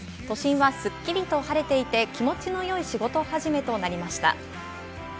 都心はすっきりと晴れていて、気持ちの良い仕事始めとなりました。